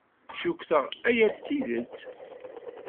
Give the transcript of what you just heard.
Cukkteɣ aya d tidet.